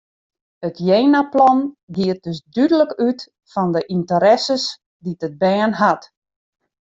It jenaplan giet dus dúdlik út fan de ynteresses dy't it bern hat.